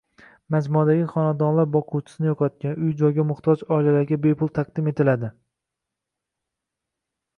Majmuadagi xonadonlar boquvchisini yo‘qotgan, uy-joyga muhtoj oilalarga bepul taqdim etiladi